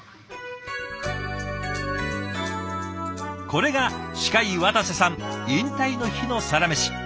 これが歯科医渡瀬さん引退の日のサラメシ。